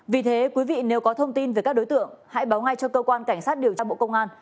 vì thế quý vị nếu có thông tin về các đối tượng hãy báo ngay cho cơ quan cảnh sát điều tra bộ công an